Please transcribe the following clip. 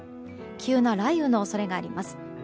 急な雷雨の恐れがあります。